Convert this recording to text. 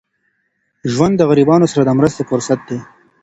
ژوند د غریبانو سره د مرستې فرصت دی.